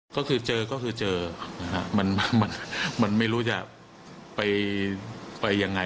ก็คือเจอก็คือเจอนะฮะมันไม่รู้จะไปยังไง